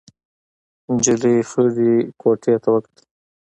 نجلۍ خړې کوټې ته وکتل.